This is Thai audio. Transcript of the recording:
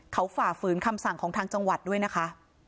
เขาฝ่าฝืนคำสั่งของทางจังหวัดด้วยนะคะ